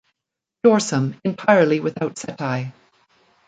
Dorsum entirely without setae.